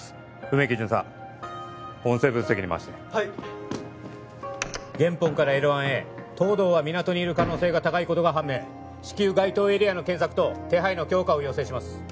梅木巡査音声分析にまわしてはいっゲンポンからＬ１へ東堂は港にいる可能性が高いことが判明至急該当エリアの検索と手配の強化を要請します